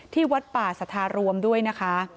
ที่วัดป่าสาธารวมด้วยนะคะ